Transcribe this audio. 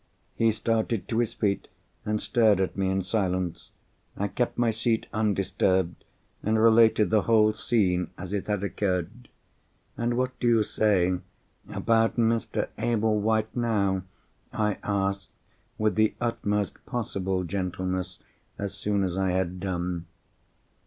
He started to his feet, and stared at me in silence. I kept my seat, undisturbed, and related the whole scene as it had occurred. "And what do you say about Mr. Ablewhite now?" I asked, with the utmost possible gentleness, as soon as I had done.